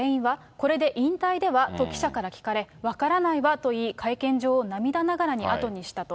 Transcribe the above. これで引退では？と記者から聞かれ、分からないわと言い、会見場を涙ながらに後にしたと。